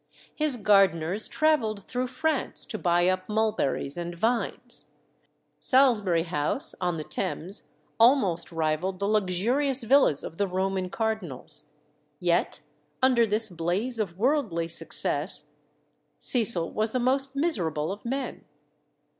His gardeners travelled through France to buy up mulberries and vines. Salisbury House, on the Thames, almost rivalled the luxurious villas of the Roman cardinals; yet, under this blaze of worldly success, Cecil was the most miserable of men.